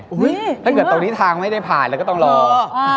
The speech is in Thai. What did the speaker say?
อุ้ยเห็นไหมถ้าเกิดตรงนี้ทางไม่ได้ผ่านเราก็ต้องรออ่า